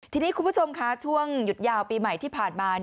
ทีนี้คุณผู้ชมค่ะช่วงหยุดยาวปีใหม่ที่ผ่านมา